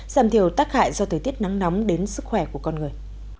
giảm thiểu tác hại do thời tiết nắng nóng đến sức khỏe của con người